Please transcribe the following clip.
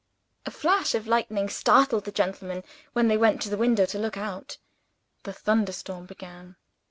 A flash of lightning startled the gentlemen when they went to the window to look out: the thunderstorm began.